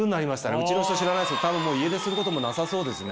うちの人知らないですけど多分家出することもなさそうですね。